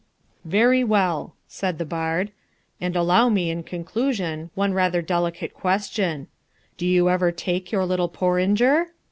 "Very well," said the bard, "and allow me, in conclusion, one rather delicate question: Do you ever take your little porringer?"